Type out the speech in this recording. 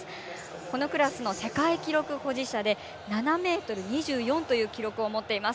このクラスの世界記録保持者で７ｍ２４という記録を持っています。